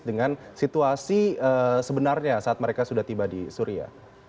dengan situasi sebenarnya saat mereka sudah tiba di suria